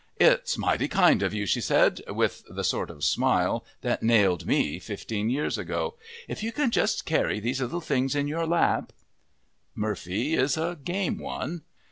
"It's mighty kind of you," she said, with the sort of a smile that nailed me fifteen years ago. "If you can just carry these little things in your lap " Murphy is a game one.